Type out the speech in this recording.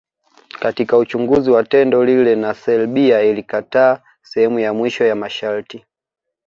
Katika Uchunguzi wa tendo lile na Serbia ilikataa sehemu ya mwisho ya masharti